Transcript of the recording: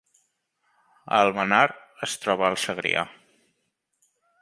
Almenar es troba al Segrià